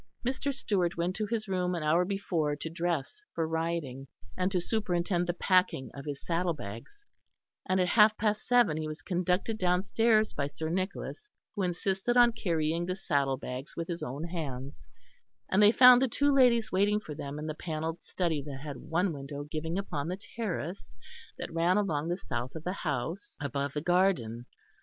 Mr. Stewart went to his room an hour before to dress for riding, and to superintend the packing of his saddle bags; and at half past seven he was conducted downstairs by Sir Nicholas who insisted on carrying the saddle bags with his own hands, and they found the two ladies waiting for them in the panelled study that had one window giving upon the terrace that ran along the south of the house above the garden.